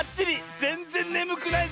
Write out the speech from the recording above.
ぜんぜんねむくないぜ！